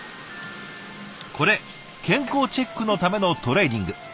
これ健康チェックのためのトレーニング。